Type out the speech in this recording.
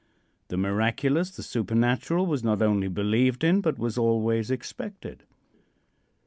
The miraculous, the supernatural, was not only believed in, but was always expected.